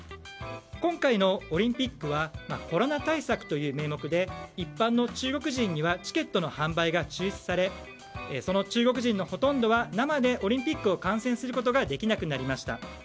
今回のオリンピックはコロナ対策という名目で一般の中国人にはチケットの販売が中止され中国人のほとんどは生でオリンピックを観戦することができなくなりました。